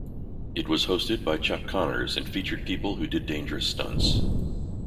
It was hosted by Chuck Connors and featured people who did dangerous stunts.